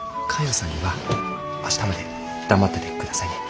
さんには明日まで黙ってて下さいね。